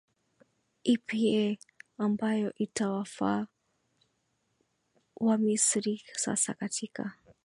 ipi eeh ambao itawafaa wamisri sasa katika